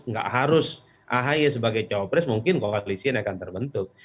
nggak harus ahy sebagai cowok pres mungkin koalisi yang akan terbentuk